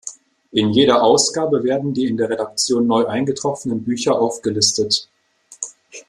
In jeder Ausgabe werden die in der Redaktion neu eingetroffenen Bücher aufgelistet.